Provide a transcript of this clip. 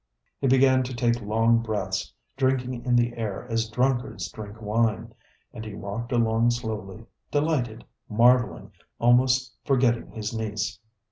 He began to take long breaths, drinking in the air as drunkards drink wine, and he walked along slowly, delighted, marveling, almost forgetting his niece.